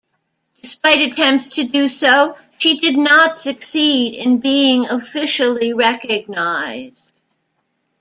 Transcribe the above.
Despite attempts to do so, she did not succeed in being officially recognized.